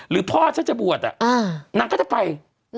หรือพ่อเดี๋ยวจะบวชนังก็จะไป